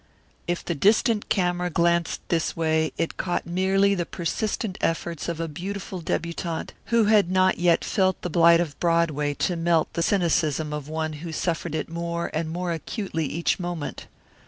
If the distant camera glanced this way it caught merely the persistent efforts of a beautiful debutante who had not yet felt the blight of Broadway to melt the cynicism of one who suffered it more and more acutely each moment.